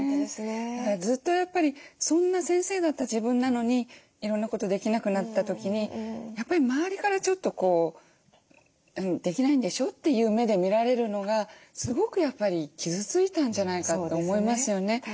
だからずっとやっぱりそんな先生だった自分なのにいろんなことできなくなった時にやっぱり周りからちょっと「できないんでしょ」っていう目で見られるのがすごくやっぱり傷ついたんじゃないかって思いますよね。